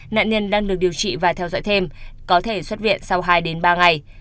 nạn nhân đang được điều trị và theo dõi thêm có thể xuất viện sau hai ba ngày